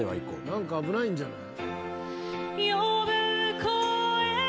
何か危ないんじゃない？